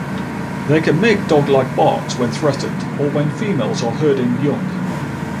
They can make dog-like barks when threatened or when females are herding young.